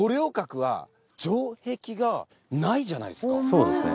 そうですね。